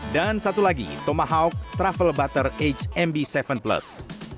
dan satu lagi tomahawk travel butter age mb tujuh plus